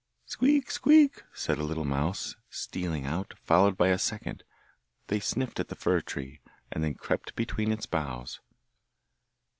'Squeak, squeak!' said a little mouse, stealing out, followed by a second. They sniffed at the fir tree, and then crept between its boughs.